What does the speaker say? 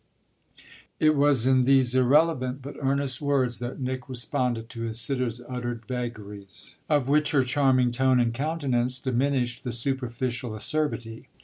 It was in these irrelevant but earnest words that Nick responded to his sitter's uttered vagaries, of which her charming tone and countenance diminished the superficial acerbity.